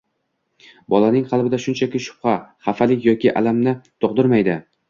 bolaning qalbida shunchaki shubha, xafalik yoki alamni tug‘dirmaydi.